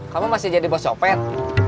kamu masih jadi bos copet